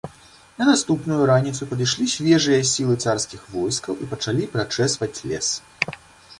На наступную раніцу падышлі свежыя сілы царскіх войскаў і пачалі прачэсваць лес.